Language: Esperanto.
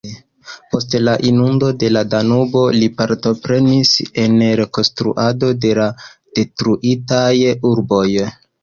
Post la Inundo de la Danubo li partoprenis en rekonstruado de la detruitaj urboj.